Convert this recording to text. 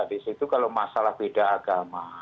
di situ kalau masalah beda agama